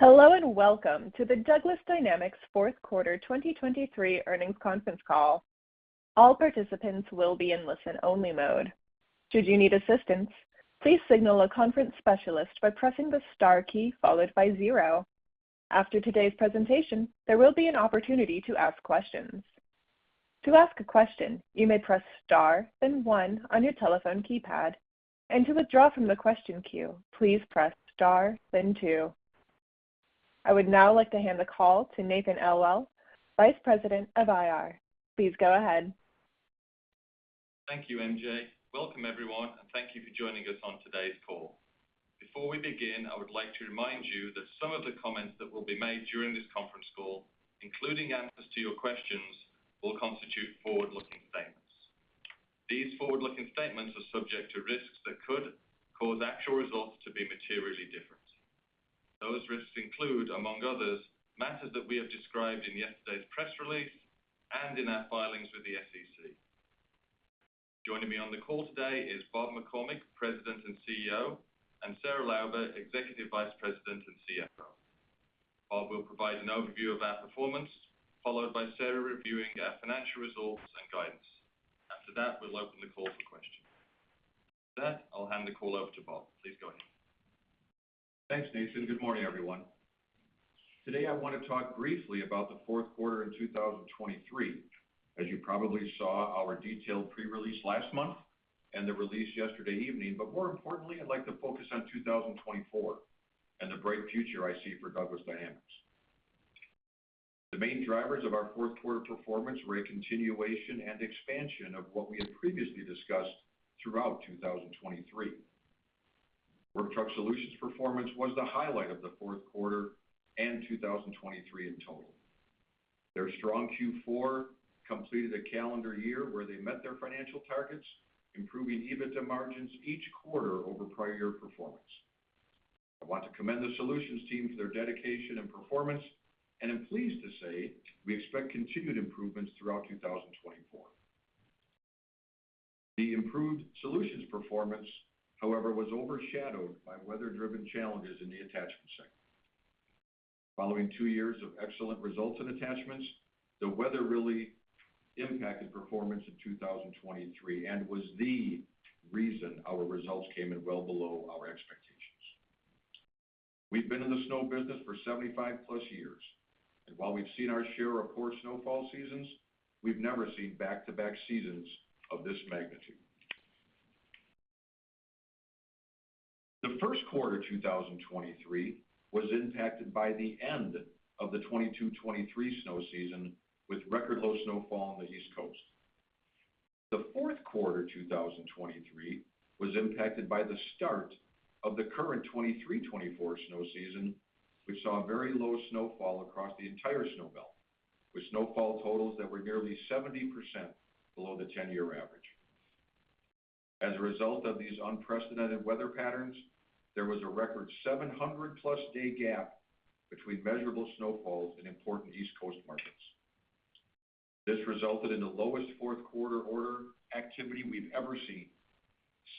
Hello and welcome to the Douglas Dynamics 4th Quarter 2023 Earnings Conference call. All participants will be in listen-only mode. Should you need assistance, please signal a conference specialist by pressing the star key followed by zero. After today's presentation, there will be an opportunity to ask questions. To ask a question, you may press star, then one on your telephone keypad, and to withdraw from the question queue, please press star, then two. I would now like to hand the call to Nathan Elwell, Vice President of IR. Please go ahead. Thank you, MJ. Welcome, everyone, and thank you for joining us on today's call. Before we begin, I would like to remind you that some of the comments that will be made during this conference call, including answers to your questions, will constitute forward-looking statements. These forward-looking statements are subject to risks that could cause actual results to be materially different. Those risks include, among others, matters that we have described in yesterday's press release and in our filings with the SEC. Joining me on the call today is Bob McCormick, President and CEO, and Sarah Lauber, Executive Vice President and CFO. Bob will provide an overview of our performance, followed by Sarah reviewing our financial results and guidance. After that, we'll open the call for questions. With that, I'll hand the call over to Bob. Please go ahead. Thanks, Nathan. Good morning, everyone. Today, I want to talk briefly about the 4th Quarter in 2023. As you probably saw, our detailed pre-release last month and the release yesterday evening, but more importantly, I'd like to focus on 2024 and the bright future I see for Douglas Dynamics. The main drivers of our 4th Quarter performance were a continuation and expansion of what we had previously discussed throughout 2023. Work Truck Solutions' performance was the highlight of the 4th Quarter and 2023 in total. Their strong Q4 completed a calendar year where they met their financial targets, improving EBITDA margins each quarter over prior year performance. I want to commend the Solutions team for their dedication and performance, and I'm pleased to say we expect continued improvements throughout 2024. The improved Solutions performance, however, was overshadowed by weather-driven challenges in the attachment sector. Following two years of excellent results in attachments, the weather really impacted performance in 2023 and was the reason our results came in well below our expectations. We've been in the snow business for 75-plus years, and while we've seen our share of poor snowfall seasons, we've never seen back-to-back seasons of this magnitude. The First Quarter 2023 was impacted by the end of the 2022-2023 snow season, with record-low snowfall on the East Coast. The Fourth Quarter 2023 was impacted by the start of the current 2023-2024 snow season, which saw very low snowfall across the entire snow belt, with snowfall totals that were nearly 70% below the 10-year average. As a result of these unprecedented weather patterns, there was a record 700-plus-day gap between measurable snowfalls in important East Coast markets. This resulted in the lowest 4th Quarter order activity we've ever seen,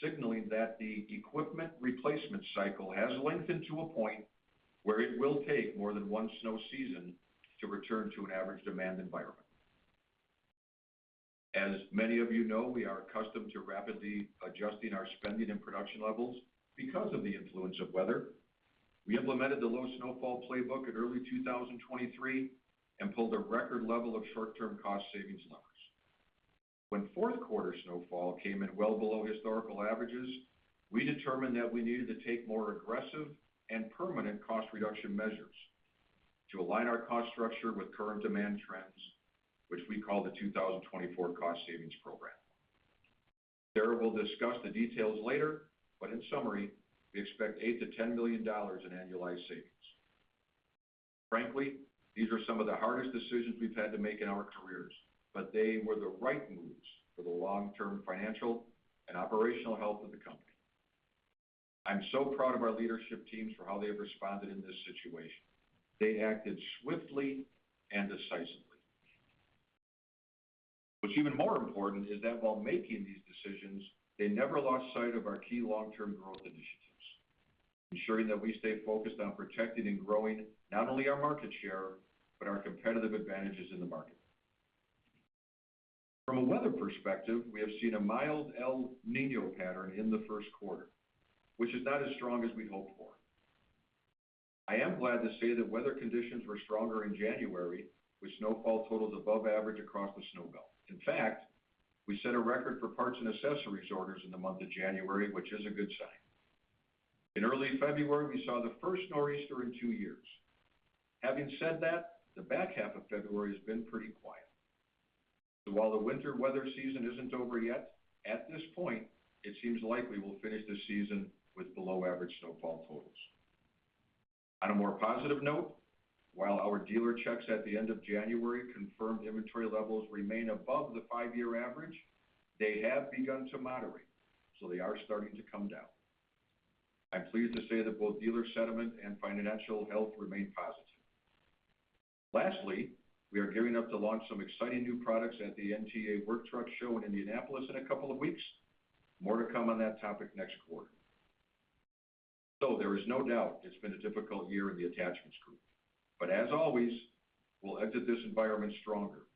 signaling that the equipment replacement cycle has lengthened to a point where it will take more than one snow season to return to an average demand environment. As many of you know, we are accustomed to rapidly adjusting our spending and production levels because of the influence of weather. We implemented the low snowfall playbook in early 2023 and pulled a record level of short-term cost savings levers. When 4th Quarter snowfall came in well below historical averages, we determined that we needed to take more aggressive and permanent cost reduction measures to align our cost structure with current demand trends, which we call the 2024 cost savings program. Sarah will discuss the details later, but in summary, we expect $8 to 10 million in annualized savings. Frankly, these are some of the hardest decisions we've had to make in our careers, but they were the right moves for the long-term financial and operational health of the company. I'm so proud of our leadership teams for how they have responded in this situation. They acted swiftly and decisively. What's even more important is that while making these decisions, they never lost sight of our key long-term growth initiatives, ensuring that we stay focused on protecting and growing not only our market share but our competitive advantages in the market. From a weather perspective, we have seen a mild El Niño pattern in the first quarter, which is not as strong as we'd hoped for. I am glad to say that weather conditions were stronger in January, with snowfall totals above average across the snow belt. In fact, we set a record for parts and accessories orders in the month of January, which is a good sign. In early February, we saw the first Nor'easter in two years. Having said that, the back half of February has been pretty quiet. So while the winter weather season isn't over yet, at this point, it seems likely we'll finish the season with below-average snowfall totals. On a more positive note, while our dealer checks at the end of January confirmed inventory levels remain above the five-year average, they have begun to moderate, so they are starting to come down. I'm pleased to say that both dealer sentiment and financial health remain positive. Lastly, we are gearing up to launch some exciting new products at the NTEA Work Truck Show in Indianapolis in a couple of weeks. More to come on that topic next quarter. So there is no doubt it's been a difficult year in the attachments group, but as always, we'll exit this environment stronger,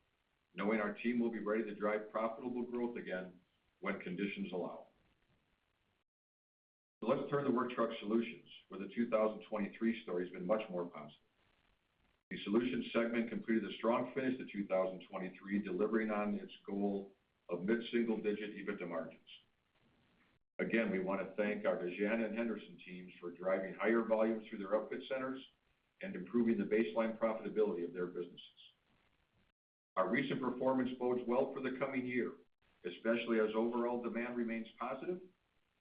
knowing our team will be ready to drive profitable growth again when conditions allow. So let's turn to Work Truck Solutions, where the 2023 story has been much more positive. The Solutions segment completed a strong finish to 2023, delivering on its goal of mid-single-digit EBITDA margins. Again, we want to thank our Dejana and Henderson teams for driving higher volumes through their upfit centers and improving the baseline profitability of their businesses. Our recent performance bodes well for the coming year, especially as overall demand remains positive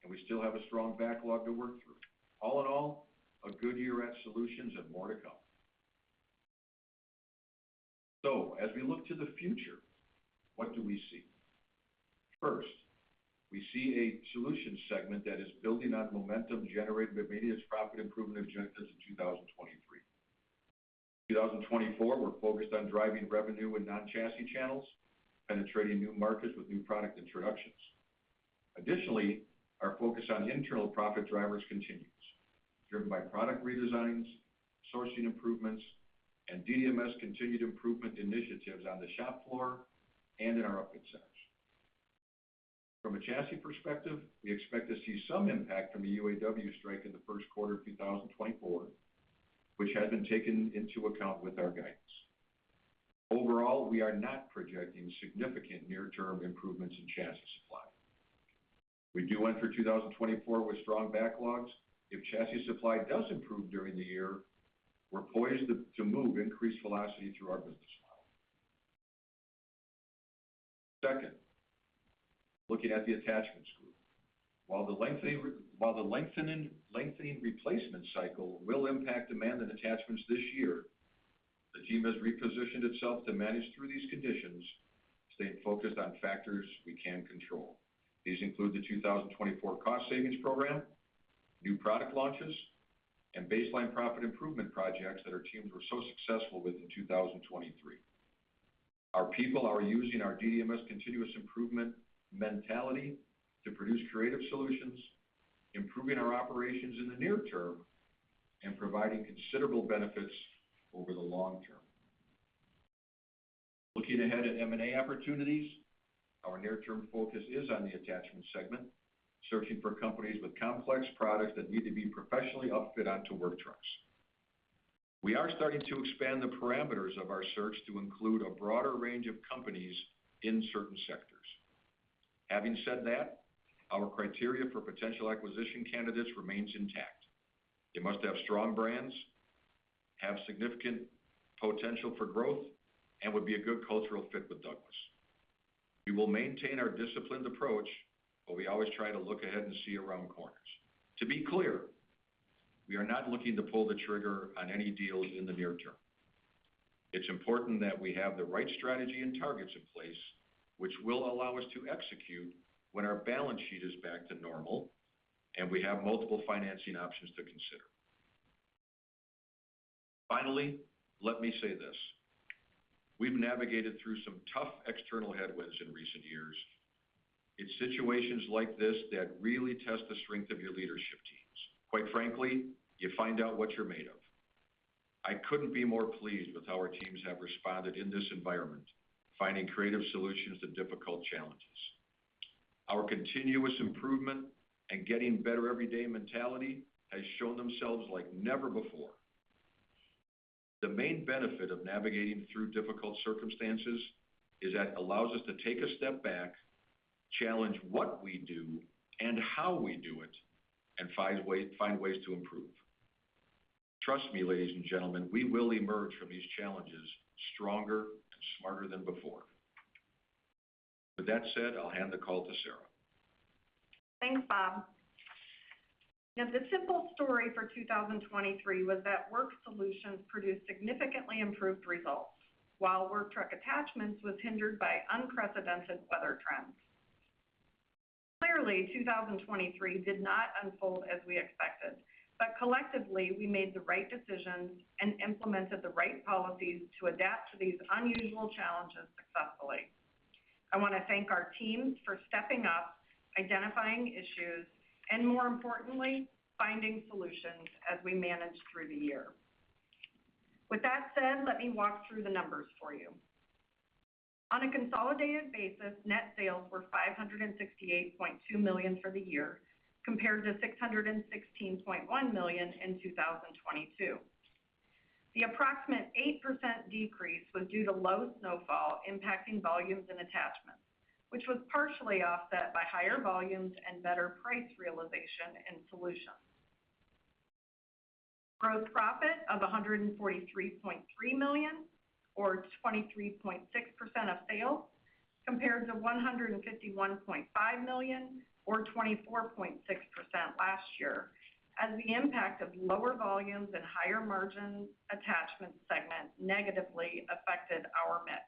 and we still have a strong backlog to work through. All in all, a good year at Solutions and more to come. So as we look to the future, what do we see? First, we see a Solutions segment that is building on momentum generated by our profit improvement objectives in 2023. In 2024, we're focused on driving revenue in non-chassis channels, penetrating new markets with new product introductions. Additionally, our focus on internal profit drivers continues, driven by product redesigns, sourcing improvements, and DDMS continued improvement initiatives on the shop floor and in our upfit centers. From a chassis perspective, we expect to see some impact from the UAW strike in the 1st Quarter of 2024, which has been taken into account with our guidance. Overall, we are not projecting significant near-term improvements in chassis supply. We head into 2024 with strong backlogs. If chassis supply does improve during the year, we're poised to move increased velocity through our business model. Second, looking at the attachments group, while the lengthening replacement cycle will impact demand in attachments this year, the team has repositioned itself to manage through these conditions, staying focused on factors we can control. These include the 2024 cost savings program, new product launches, and baseline profit improvement projects that our teams were so successful with in 2023. Our people are using our DDMS continuous improvement mentality to produce creative solutions, improving our operations in the near term, and providing considerable benefits over the long term. Looking ahead at M&A opportunities, our near-term focus is on the attachment segment, searching for companies with complex products that need to be professionally upfit onto work trucks. We are starting to expand the parameters of our search to include a broader range of companies in certain sectors. Having said that, our criteria for potential acquisition candidates remains intact. They must have strong brands, have significant potential for growth, and would be a good cultural fit with Douglas. We will maintain our disciplined approach, but we always try to look ahead and see around corners. To be clear, we are not looking to pull the trigger on any deals in the near term. It's important that we have the right strategy and targets in place, which will allow us to execute when our balance sheet is back to normal and we have multiple financing options to consider. Finally, let me say this. We've navigated through some tough external headwinds in recent years. It's situations like this that really test the strength of your leadership teams. Quite frankly, you find out what you're made of. I couldn't be more pleased with how our teams have responded in this environment, finding creative solutions to difficult challenges. Our continuous improvement and getting better every day mentality has shown themselves like never before. The main benefit of navigating through difficult circumstances is that it allows us to take a step back, challenge what we do and how we do it, and find ways to improve. Trust me, ladies and gentlemen, we will emerge from these challenges stronger and smarter than before. With that said, I'll hand the call to Sarah. Thanks, Bob. The simple story for 2023 was that Work Solutions produced significantly improved results, while Work Truck Attachments was hindered by unprecedented weather trends. Clearly, 2023 did not unfold as we expected, but collectively, we made the right decisions and implemented the right policies to adapt to these unusual challenges successfully. I want to thank our teams for stepping up, identifying issues, and more importantly, finding solutions as we manage through the year. With that said, let me walk through the numbers for you. On a consolidated basis, net sales were $568.2 million for the year, compared to $616.1 million in 2022. The approximate 8% decrease was due to low Snowfall impacting volumes in attachments, which was partially offset by higher volumes and better price realization in Solutions. Gross profit of $143.3 million, or 23.6% of sales, compared to $151.5 million, or 24.6% last year, as the impact of lower volumes and higher margins attachments segment negatively affected our mix.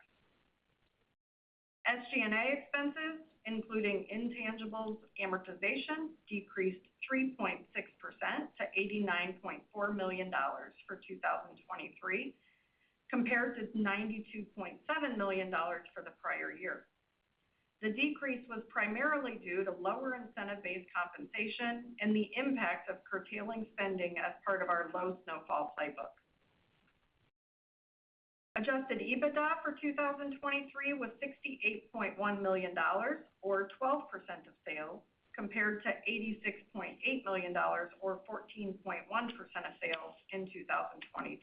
SG&A expenses, including intangibles amortization, decreased 3.6% to $89.4 million for 2023, compared to $92.7 million for the prior year. The decrease was primarily due to lower incentive-based compensation and the impact of curtailing spending as part of our low snowfall playbook. Adjusted EBITDA for 2023 was $68.1 million, or 12% of sales, compared to $86.8 million, or 14.1% of sales in 2022.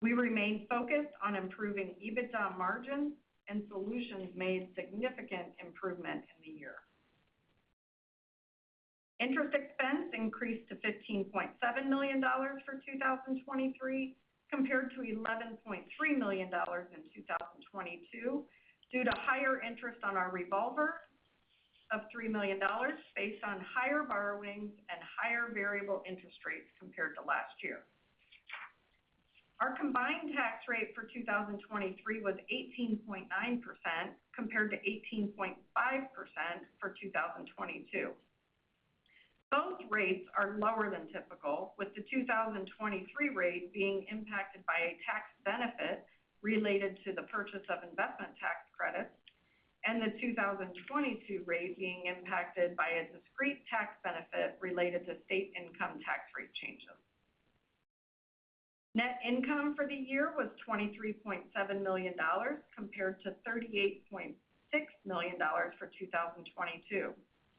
We remained focused on improving EBITDA margins, and Solutions made significant improvement in the year. Interest expense increased to $15.7 million for 2023, compared to $11.3 million in 2022, due to higher interest on our revolver of $3 million based on higher borrowings and higher variable interest rates compared to last year. Our combined tax rate for 2023 was 18.9%, compared to 18.5% for 2022. Both rates are lower than typical, with the 2023 rate being impacted by a tax benefit related to the purchase of investment tax credits and the 2022 rate being impacted by a discrete tax benefit related to state income tax rate changes. Net income for the year was $23.7 million, compared to $38.6 million for 2022,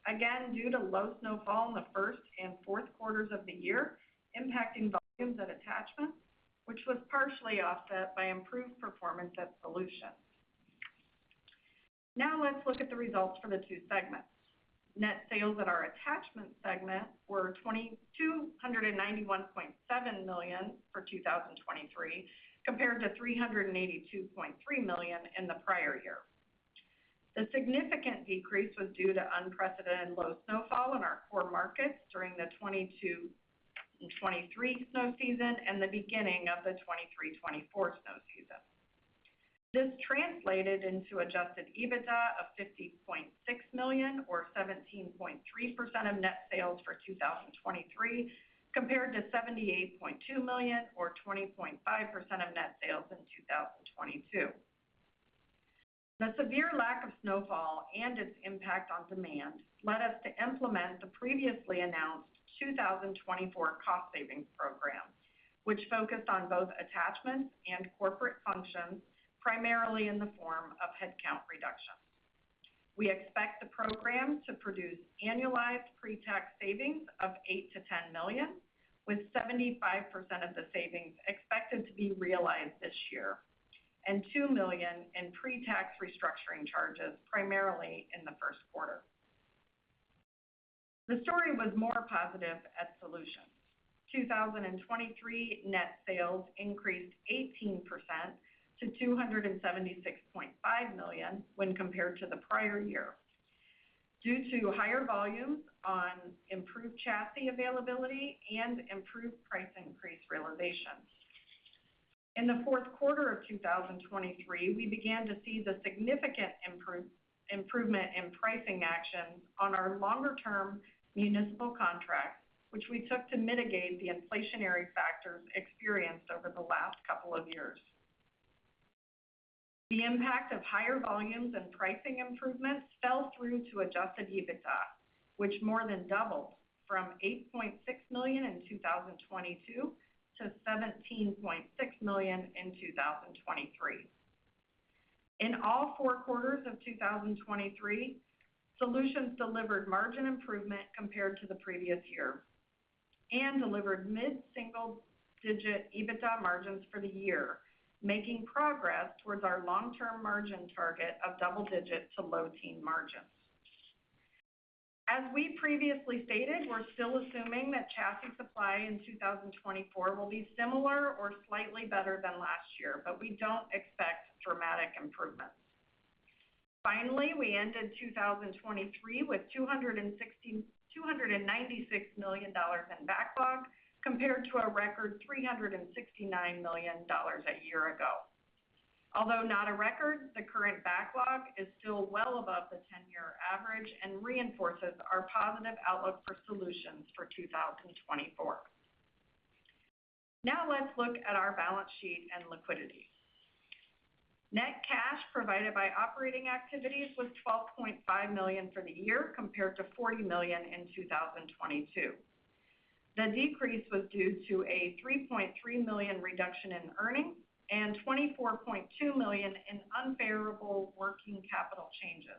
again due to low Snowfall in the 1st and 4th quarters of the year, impacting volumes at Attachments, which was partially offset by improved performance at Solutions. Now let's look at the results for the two segments. Net sales at our Attachments segment were $291.7 million for 2023, compared to $382.3 million in the prior year. The significant decrease was due to unprecedented low snowfall in our core markets during the 2022 and 2023 snow season and the beginning of the 2023-2024 snow season. This translated into Adjusted EBITDA of $50.6 million, or 17.3% of net sales for 2023, compared to $78.2 million, or 20.5% of net sales in 2022. The severe lack of snowfall and its impact on demand led us to implement the previously announced 2024 cost savings program, which focused on both attachments and corporate functions, primarily in the form of headcount reductions. We expect the program to produce annualized pre-tax savings of $8 million-$10 million, with 75% of the savings expected to be realized this year, and $2 million in pre-tax restructuring charges, primarily in the 1st quarter. The story was more positive at Solutions. 2023 net sales increased 18% to $276.5 million when compared to the prior year, due to higher volumes on improved chassis availability and improved price increase realization. In the 4th quarter of 2023, we began to see the significant improvement in pricing actions on our longer-term municipal contracts, which we took to mitigate the inflationary factors experienced over the last couple of years. The impact of higher volumes and pricing improvements fell through to Adjusted EBITDA, which more than doubled from $8.6 million in 2022 to $17.6 million in 2023. In all four quarters of 2023, Solutions delivered margin improvement compared to the previous year and delivered mid-single-digit EBITDA margins for the year, making progress towards our long-term margin target of double-digit to low-teens margins. As we previously stated, we're still assuming that chassis supply in 2024 will be similar or slightly better than last year, but we don't expect dramatic improvements. Finally, we ended 2023 with $296 million in backlog compared to a record $369 million a year ago. Although not a record, the current backlog is still well above the ten-year average and reinforces our positive outlook for Solutions for 2024. Now let's look at our balance sheet and liquidity. Net cash provided by operating activities was $12.5 million for the year, compared to $40 million in 2022. The decrease was due to a $3.3 million reduction in earnings and $24.2 million in unfavorable working capital changes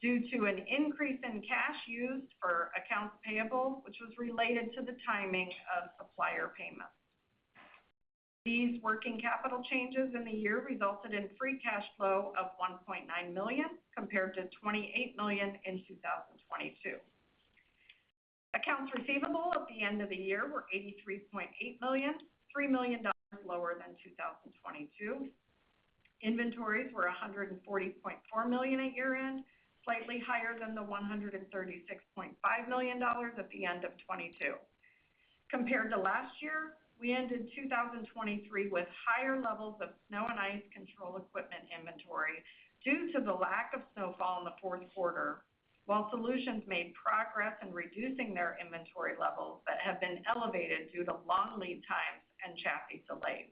due to an increase in cash used for accounts payable, which was related to the timing of supplier payments. These working capital changes in the year resulted in Free Cash Flow of $1.9 million, compared to $28 million in 2022. Accounts receivable at the end of the year were $83.8 million, $3 million lower than 2022. Inventories were $140.4 million at year-end, slightly higher than the $136.5 million at the end of 2022. Compared to last year, we ended 2023 with higher levels of snow and ice control equipment inventory due to the lack of snowfall in the fourth quarter, while Solutions made progress in reducing their inventory levels that have been elevated due to long lead times and chassis delays.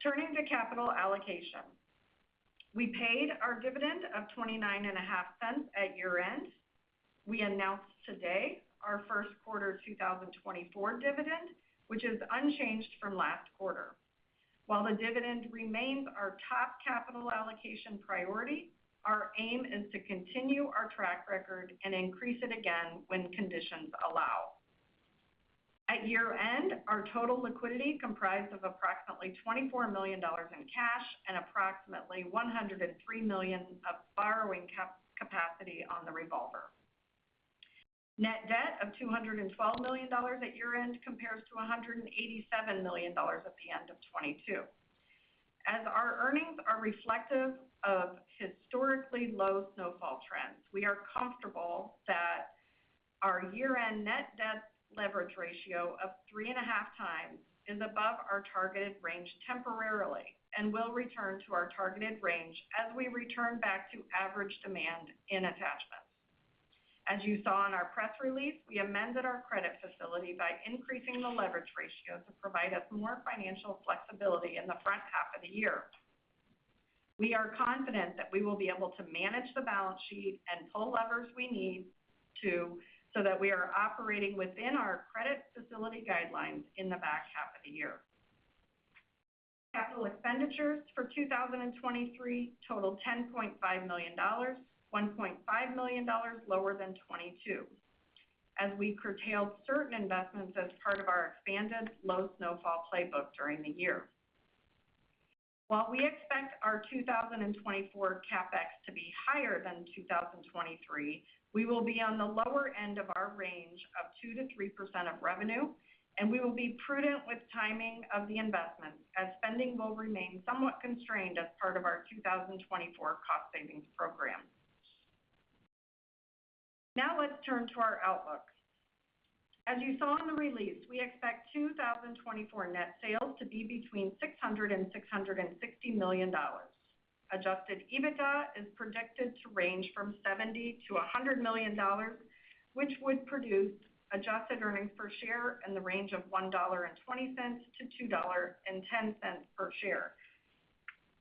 Turning to capital allocation, we paid our dividend of $0.295 at year-end. We announced today our first quarter 2024 dividend, which is unchanged from last quarter. While the dividend remains our top capital allocation priority, our aim is to continue our track record and increase it again when conditions allow. At year-end, our total liquidity comprised of approximately $24 million in cash and approximately $103 million of borrowing capacity on the revolver. Net debt of $212 million at year-end compares to $187 million at the end of 2022. As our earnings are reflective of historically low snowfall trends, we are comfortable that our year-end net debt leverage ratio of 3.5x is above our targeted range temporarily and will return to our targeted range as we return back to average demand in attachments. As you saw in our press release, we amended our credit facility by increasing the leverage ratio to provide us more financial flexibility in the front half of the year. We are confident that we will be able to manage the balance sheet and pull levers we need to so that we are operating within our credit facility guidelines in the back half of the year. Capital expenditures for 2023 totaled $10.5 million, $1.5 million lower than 2022, as we curtailed certain investments as part of our expanded low snowfall playbook during the year. While we expect our 2024 CapEx to be higher than 2023, we will be on the lower end of our range of 2%-3% of revenue, and we will be prudent with timing of the investments as spending will remain somewhat constrained as part of our 2024 cost savings program. Now let's turn to our outlook. As you saw in the release, we expect 2024 net sales to be between $600 million and $660 million. Adjusted EBITDA is predicted to range from $70 million to 100 million, which would produce adjusted earnings per share in the range of $1.20 to $2.10 per share.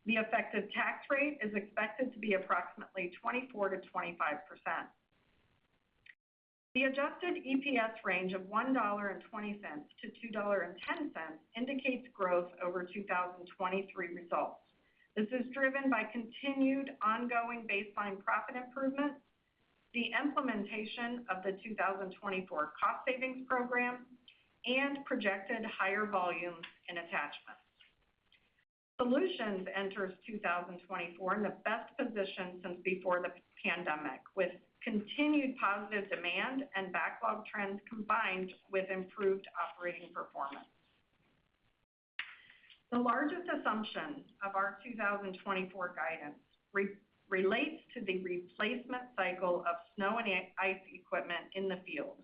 The effective tax rate is expected to be approximately 24% to 25%. The adjusted EPS range of $1.20 to $2.10 indicates growth over 2023 results. This is driven by continued ongoing baseline profit improvements, the implementation of the 2024 cost savings program, and projected higher volumes in attachments. Solutions enters 2024 in the best position since before the pandemic, with continued positive demand and backlog trends combined with improved operating performance. The largest assumption of our 2024 guidance relates to the replacement cycle of snow and ice equipment in the field.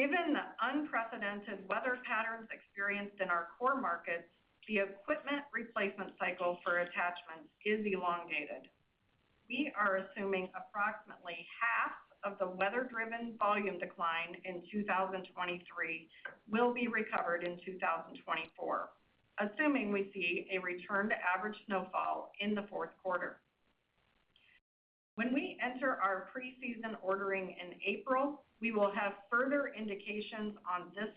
Given the unprecedented weather patterns experienced in our core markets, the equipment replacement cycle for attachments is elongated. We are assuming approximately half of the weather-driven volume decline in 2023 will be recovered in 2024, assuming we see a return to average snowfall in the 4th quarter. When we enter our preseason ordering in April, we will have further indications on this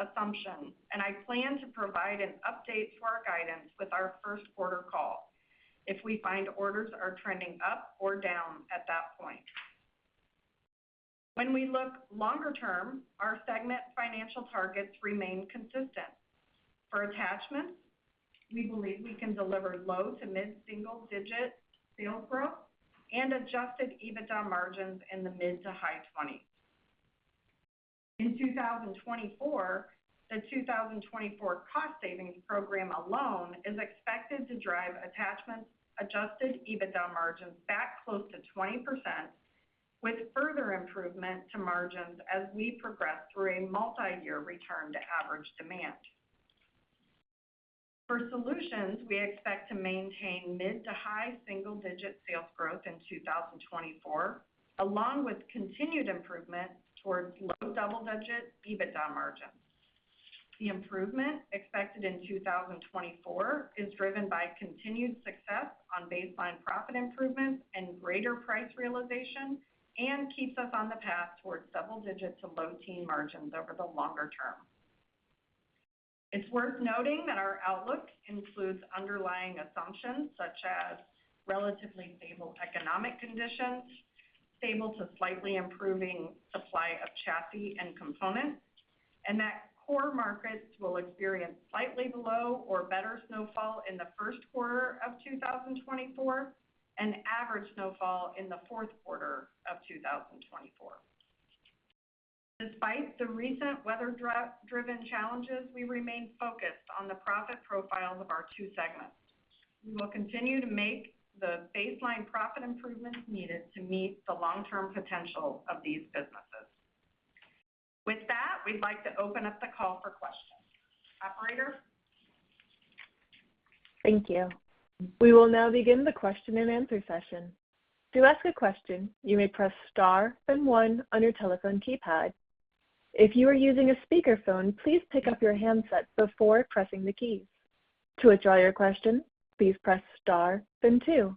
assumption, and I plan to provide an update to our guidance with our 1st quarter call if we find orders are trending up or down at that point. When we look longer term, our segment financial targets remain consistent. For attachments, we believe we can deliver low- to mid-single-digit sales growth and adjusted EBITDA margins in the mid- to high-20s. In 2024, the 2024 cost savings program alone is expected to drive attachments' adjusted EBITDA margins back close to 20%, with further improvement to margins as we progress through a multi-year return to average demand. For Solutions, we expect to maintain mid- to high single-digit sales growth in 2024, along with continued improvement towards low double-digit EBITDA margins. The improvement expected in 2024 is driven by continued success on baseline profit improvements and greater price realization and keeps us on the path towards double-digit to low-teens margins over the longer term. It's worth noting that our outlook includes underlying assumptions such as relatively stable economic conditions, stable to slightly improving supply of chassis and components, and that core markets will experience slightly below or better snowfall in the first quarter of 2024 and average snowfall in the fourth quarter of 2024. Despite the recent weather-driven challenges, we remain focused on the profit profiles of our two segments. We will continue to make the baseline profit improvements needed to meet the long-term potential of these businesses. With that, we'd like to open up the call for questions. Operator. Thank you. We will now begin the question-and-answer session. To ask a question, you may press star then 1 on your telephone keypad. If you are using a speakerphone, please pick up your handset before pressing the keys. To withdraw your question, please press star then 2.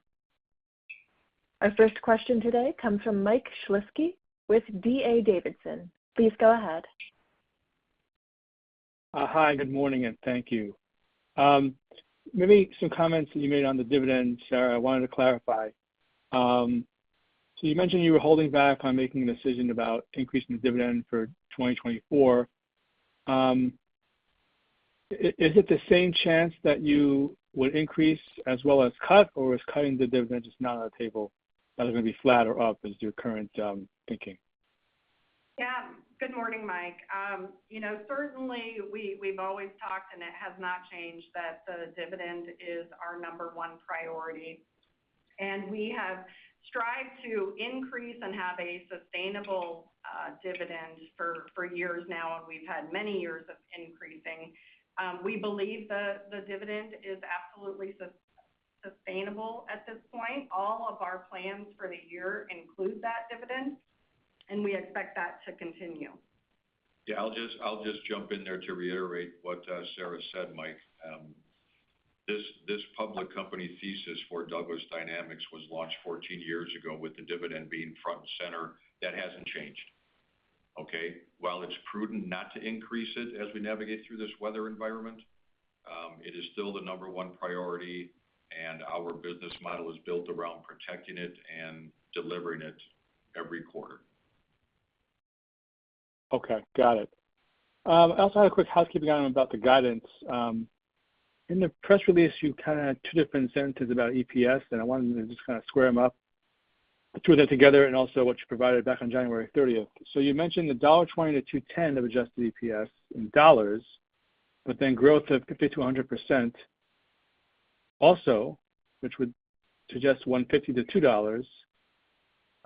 Our first question today comes from Mike Shlisky with D.A. Davidson. Please go ahead. Hi. Good morning. And thank you. Maybe some comments that you made on the dividend, Sarah, I wanted to clarify. So you mentioned you were holding back on making a decision about increasing the dividend for 2024. Is it the same chance that you would increase as well as cut, or is cutting the dividend just not on the table? That'll going to be flat or up, is your current thinking? Yeah. Good morning, Mike. Certainly, we've always talked, and it has not changed, that the dividend is our number one priority. We have strived to increase and have a sustainable dividend for years now, and we've had many years of increasing. We believe the dividend is absolutely sustainable at this point. All of our plans for the year include that dividend, and we expect that to continue. Yeah. I'll just jump in there to reiterate what Sarah said, Mike. This public company thesis for Douglas Dynamics was launched 14 years ago with the dividend being front and center. That hasn't changed, okay? While it's prudent not to increase it as we navigate through this weather environment, it is still the number one priority, and our business model is built around protecting it and delivering it every quarter. Okay. Got it. I also had a quick housekeeping item about the guidance. In the press release, you kind of had two different sentences about EPS, and I wanted to just kind of square them up, the two of them together, and also what you provided back on January 30th. So you mentioned the $1.20-$2.10 of Adjusted EPS in dollars, but then growth of 50%-100% also, which would suggest $1.50-$2.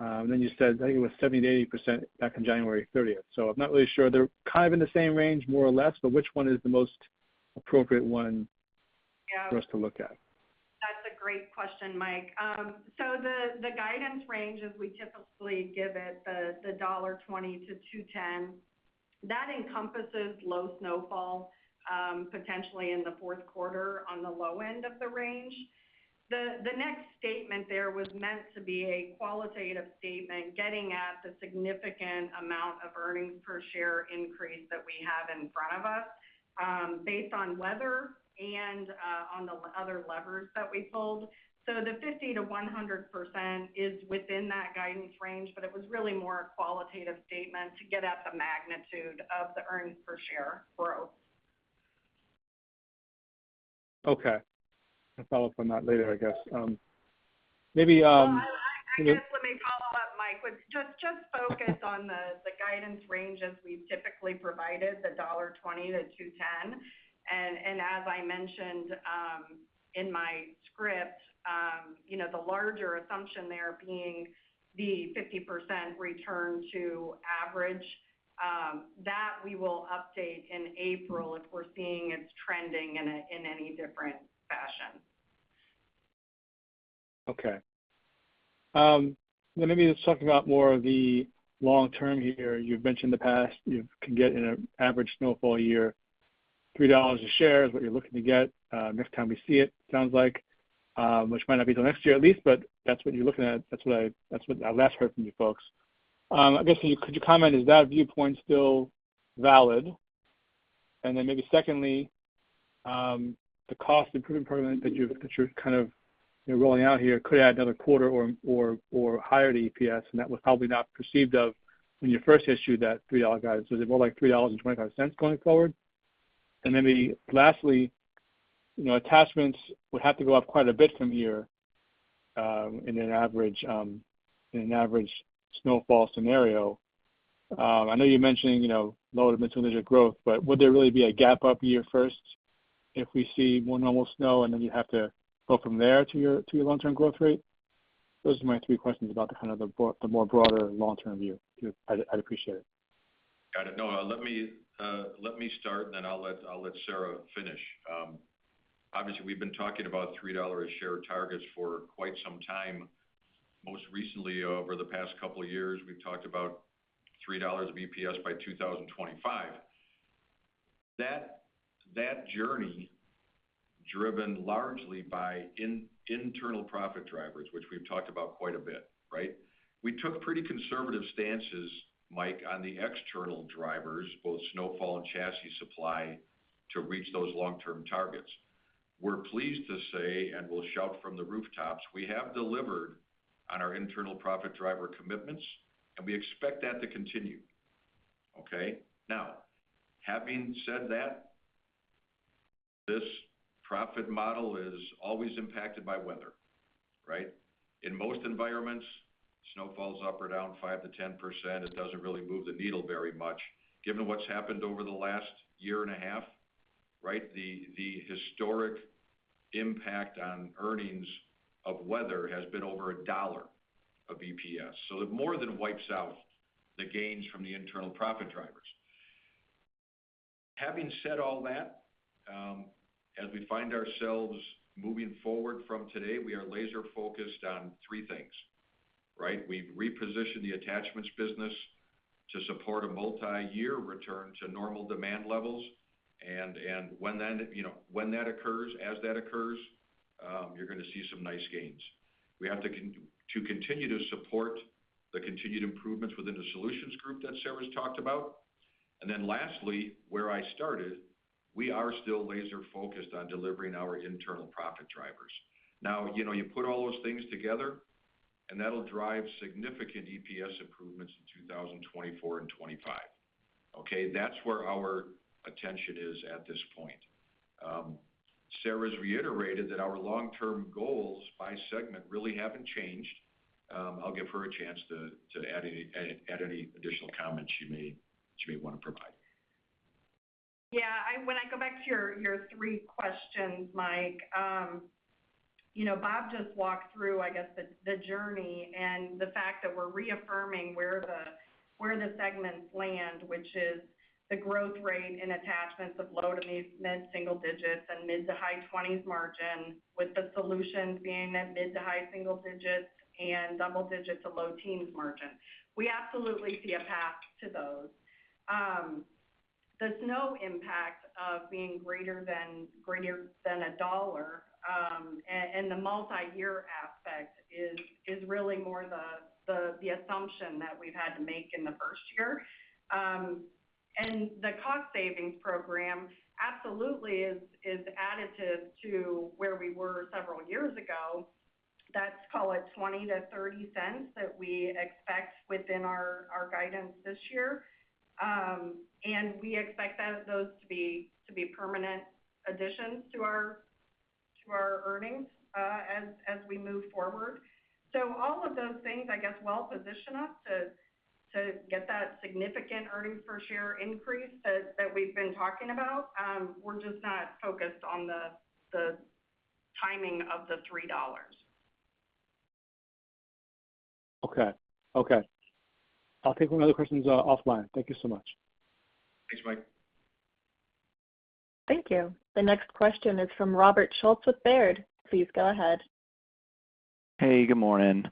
And then you said, I think it was 70%-80% back on January 30th. So I'm not really sure. They're kind of in the same range, more or less, but which one is the most appropriate one for us to look at? Yeah. That's a great question, Mike. So the guidance range, as we typically give it, the $1.20-$2.10, that encompasses low snowfall potentially in the 4th quarter on the low end of the range. The next statement there was meant to be a qualitative statement getting at the significant amount of earnings per share increase that we have in front of us based on weather and on the other levers that we pulled. So the 50%-100% is within that guidance range, but it was really more a qualitative statement to get at the magnitude of the earnings per share growth. Okay. I'll follow up on that later, I guess. Maybe. Yeah. I guess let me follow up, Mike. Just focus on the guidance range as we've typically provided, the $1.20-$2.10. And as I mentioned in my script, the larger assumption there being the 50% return to average, that we will update in April if we're seeing it's trending in any different fashion. Okay. Now, maybe just talking about more of the long term here. You've mentioned in the past you can get in an average snowfall year, $3 a share is what you're looking to get next time we see it, sounds like, which might not be till next year at least, but that's what you're looking at. That's what I last heard from you folks. I guess could you comment, is that viewpoint still valid? And then maybe secondly, the cost improvement program that you're kind of rolling out here could add another $0.25 or higher to EPS, and that was probably not perceived of when you first issued that $3 guidance. Was it more like $3.25 going forward? And maybe lastly, attachments would have to go up quite a bit from here in an average snowfall scenario. I know you're mentioning lower to mid-single-digit growth, but would there really be a gap-up year first if we see more normal snow and then you'd have to go from there to your long-term growth rate? Those are my three questions about the kind of the more broader long-term view. I'd appreciate it. Got it. No, let me start, and then I'll let Sarah finish. Obviously, we've been talking about $3 a share targets for quite some time. Most recently, over the past couple of years, we've talked about $3 of EPS by 2025. That journey driven largely by internal profit drivers, which we've talked about quite a bit, right? We took pretty conservative stances, Mike, on the external drivers, both snowfall and chassis supply, to reach those long-term targets. We're pleased to say, and we'll shout from the rooftops, we have delivered on our internal profit driver commitments, and we expect that to continue, okay? Now, having said that, this profit model is always impacted by weather, right? In most environments, snow falls up or down 5%-10%. It doesn't really move the needle very much. Given what's happened over the last year and a half, right, the historic impact on earnings of weather has been over $1 of EPS. So it more than wipes out the gains from the internal profit drivers. Having said all that, as we find ourselves moving forward from today, we are laser-focused on three things, right? We've repositioned the attachments business to support a multi-year return to normal demand levels. And when that occurs, as that occurs, you're going to see some nice gains. We have to continue to support the continued improvements within the Solutions Group that Sarah's talked about. Then lastly, where I started, we are still laser-focused on delivering our internal profit drivers. Now, you put all those things together, and that'll drive significant EPS improvements in 2024 and 2025, okay? That's where our attention is at this point. Sarah's reiterated that our long-term goals by segment really haven't changed. I'll give her a chance to add any additional comments she may want to provide. Yeah. When I go back to your three questions, Mike, Bob just walked through, I guess, the journey and the fact that we're reaffirming where the segments land, which is the growth rate in attachments of low to mid-single digits and mid to high 20s margin, with the Solutions being at mid to high single digits and double digit to low teens margin. We absolutely see a path to those. The snow impact of being greater than $1 and the multi-year aspect is really more the assumption that we've had to make in the first year. And the cost savings program absolutely is additive to where we were several years ago. That's, call it, $0.20-$0.30 that we expect within our guidance this year. And we expect those to be permanent additions to our earnings as we move forward. So all of those things, I guess, well-positioned us to get that significant earnings per share increase that we've been talking about. We're just not focused on the timing of the $3. Okay. Okay. I'll take one other question offline. Thank you so much. Thanks, Mike. Thank you. The next question is from Robert Schultz with Baird. Please go ahead. Hey. Good morning.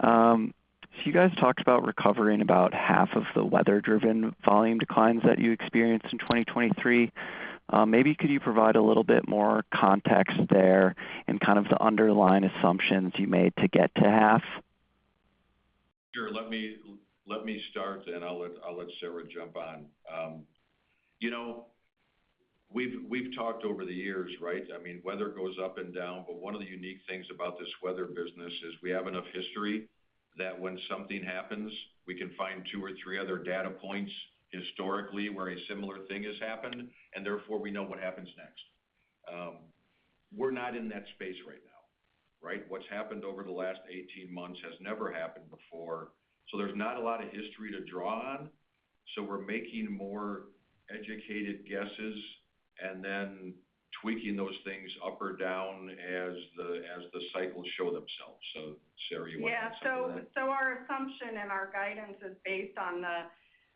So you guys talked about recovering about half of the weather-driven volume declines that you experienced in 2023. Maybe could you provide a little bit more context there and kind of the underlying assumptions you made to get to half? Sure. Let me start, and I'll let Sarah jump on. We've talked over the years, right? I mean, weather goes up and down, but one of the unique things about this weather business is we have enough history that when something happens, we can find two or three other data points historically where a similar thing has happened, and therefore, we know what happens next. We're not in that space right now, right? What's happened over the last 18 months has never happened before. So there's not a lot of history to draw on. So we're making more educated guesses and then tweaking those things up or down as the cycles show themselves. So, Sarah, you want to add something? Yeah. So our assumption and our guidance is based on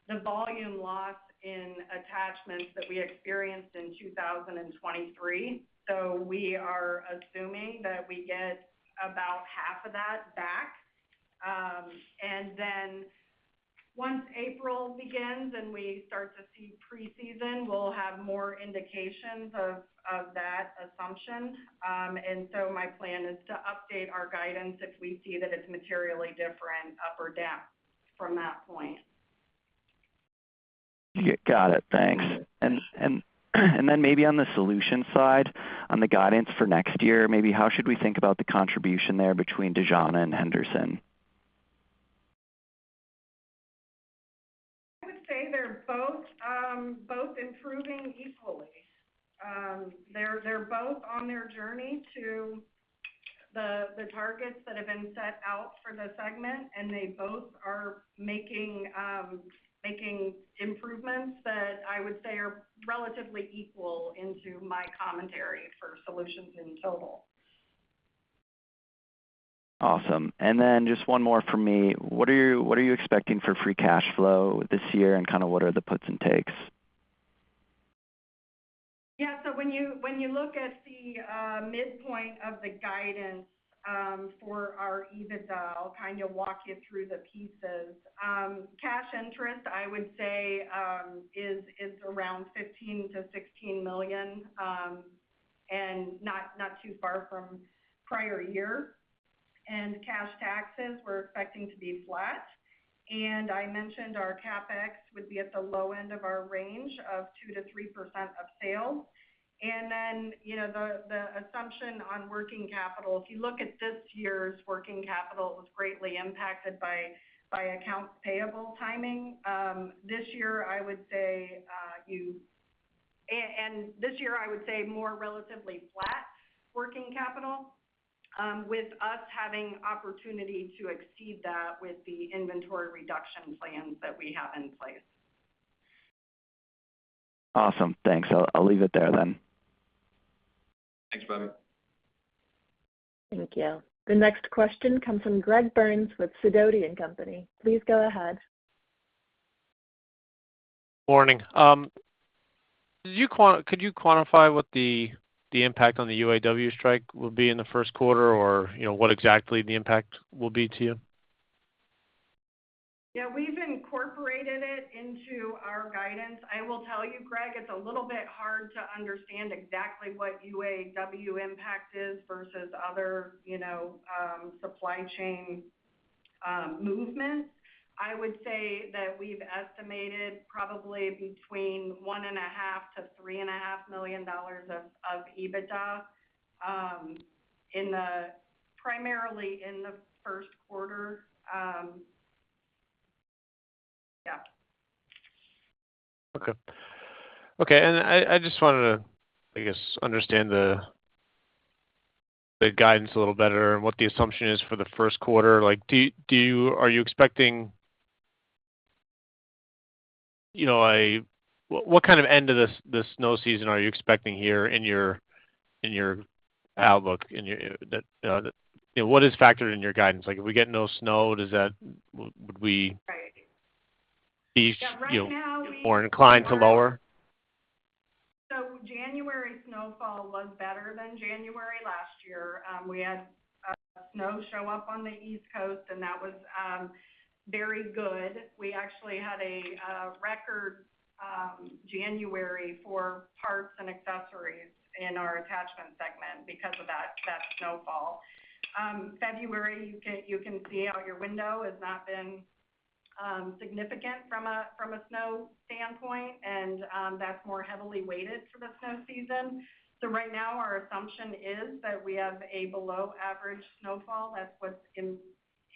the volume loss in attachments that we experienced in 2023. So we are assuming that we get about half of that back. And then once April begins and we start to see preseason, we'll have more indications of that assumption. And so my plan is to update our guidance if we see that it's materially different up or down from that point. Got it. Thanks. And then maybe on the Solutions side, on the guidance for next year, maybe how should we think about the contribution there between Dejana and Henderson? I would say they're both improving equally. They're both on their journey to the targets that have been set out for the segment, and they both are making improvements that I would say are relatively equal into my commentary for Solutions in total. Awesome. And then just one more from me. What are you expecting for free cash flow this year, and kind of what are the puts and takes? Yeah. So when you look at the midpoint of the guidance for our EBITDA, I'll kind of walk you through the pieces. Cash interest, I would say, is around $15 million-$16 million and not too far from prior year. And cash taxes, we're expecting to be flat. And I mentioned our CapEx would be at the low end of our range of 2%-3% of sales. Then the assumption on working capital, if you look at this year's working capital, it was greatly impacted by accounts payable timing. This year, I would say more relatively flat working capital with us having opportunity to exceed that with the inventory reduction plans that we have in place. Awesome. Thanks. I'll leave it there then. Thanks, Bobby. Thank you. The next question comes from Greg Burns with Sidoti & Company. Please go ahead. Morning. Could you quantify what the impact on the UAW strike will be in the first quarter or what exactly the impact will be to you? Yeah. We've incorporated it into our guidance. I will tell you, Greg, it's a little bit hard to understand exactly what UAW impact is versus other supply chain movements. I would say that we've estimated probably between one and half to three and half million dollars of EBITDA primarily in the first quarter. Yeah. Okay. Okay. And I just wanted to, I guess, understand the guidance a little better and what the assumption is for the first quarter. Are you expecting a what kind of end of the snow season are you expecting here in your outlook? What is factored in your guidance? If we get no snow, would we be more inclined to lower? So January snowfall was better than January last year. We had snow show up on the East Coast, and that was very good. We actually had a record January for parts and accessories in our attachment segment because of that snowfall. February, you can see out your window, has not been significant from a snow standpoint, and that's more heavily weighted for the snow season. So right now, our assumption is that we have a below-average snowfall. That's what's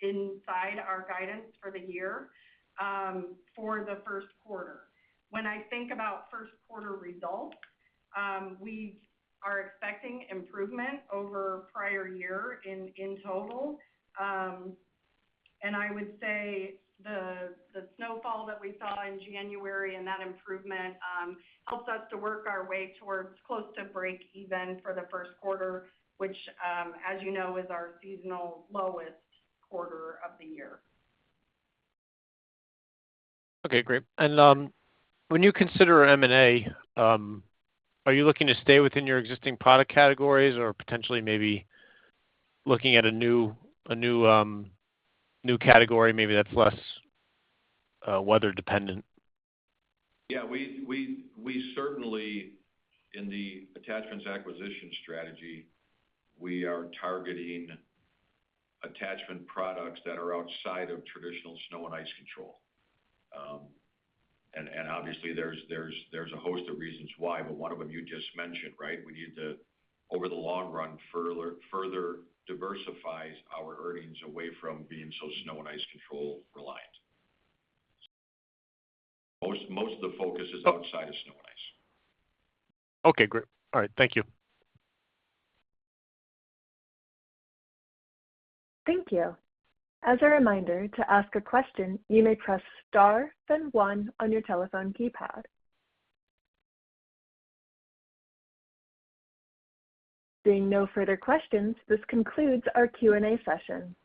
inside our guidance for the year for the first quarter. When I think about first-quarter results, we are expecting improvement over prior year in total. And I would say the snowfall that we saw in January and that improvement helps us to work our way towards close to break-even for the first quarter, which, as you know, is our seasonal lowest quarter of the year. Okay. Great. And when you consider an M&A, are you looking to stay within your existing product categories or potentially maybe looking at a new category, maybe that's less weather-dependent? Yeah. In the attachments acquisition strategy, we are targeting attachment products that are outside of traditional snow and ice control. And obviously, there's a host of reasons why, but one of them you just mentioned, right? We need to, over the long run, further diversify our earnings away from being so snow and ice control reliant. So most of the focus is outside of snow and ice. Okay. Great. All right. Thank you. Thank you. As a reminder, to ask a question, you may press star, then 1 on your telephone keypad. Seeing no further questions, this concludes our Q&A session.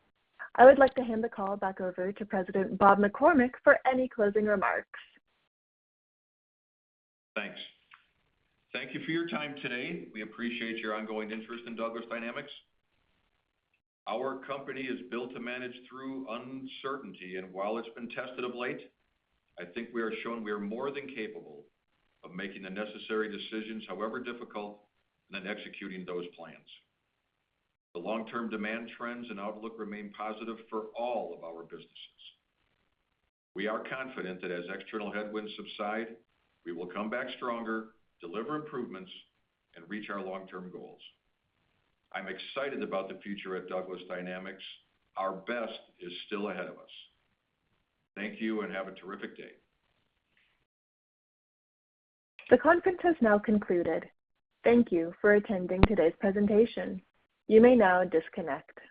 I would like to hand the call back over to President Bob McCormick for any closing remarks. Thanks. Thank you for your time today. We appreciate your ongoing interest in Douglas Dynamics. Our company is built to manage through uncertainty, and while it's been tested of late, I think we are shown we are more than capable of making the necessary decisions, however difficult, and then executing those plans. The long-term demand trends and outlook remain positive for all of our businesses. We are confident that as external headwinds subside, we will come back stronger, deliver improvements, and reach our long-term goals. I'm excited about the future at Douglas Dynamics. Our best is still ahead of us. Thank you, and have a terrific day. The conference has now concluded. Thank you for attending today's presentation. You may now disconnect.